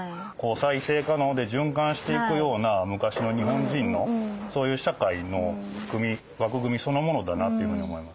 再生可能で循環していくような昔の日本人のそういう社会の枠組みそのものだなというふうに思います。